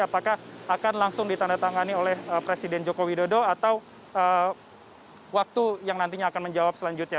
apakah akan langsung ditandatangani oleh presiden joko widodo atau waktu yang nantinya akan menjawab selanjutnya